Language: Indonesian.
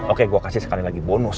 oke gue kasih sekali lagi bonus